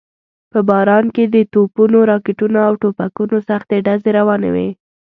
په باران کې د توپونو، راکټونو او ټوپکونو سختې ډزې روانې وې.